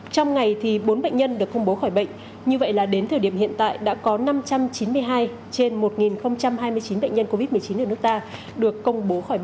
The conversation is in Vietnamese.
trong ngày thì bốn bệnh nhân được công bố khỏi bệnh như vậy là đến thời điểm hiện tại đã có năm trăm chín mươi hai trên một hai mươi chín bệnh nhân